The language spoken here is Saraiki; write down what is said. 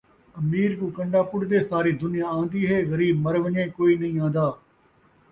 امیر کوں کنڈا پُݙے ساری دنیا آندی ہے، غریب مر ونڄے کوئی نئیں آندا